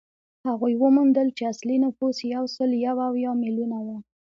هغوی وموندل چې اصلي نفوس یو سل یو اویا میلیونه و